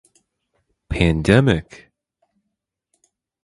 Pandemic!